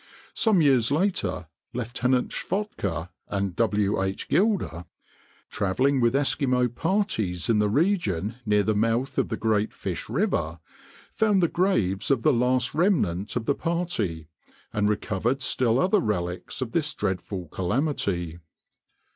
Some years later Lieutenant Schwatka and W. H. Gilder, traveling with Eskimo parties in the region near the mouth of the Great Fish River, found the graves of the last remnant of the party, and recovered still other relics of this dreadful calamity.